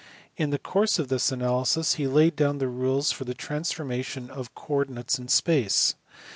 In the course of this analysis he laid down the rules for the transfor mation of coordinates in space.